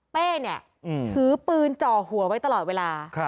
เป้เนี่ยถือปืนจ่อหัวไว้ตลอดเวลา